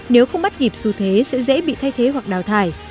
nếu không bắt kịp xu thế sẽ dễ bị thay thế hoặc đào thải